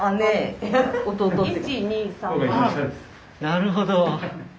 なるほど。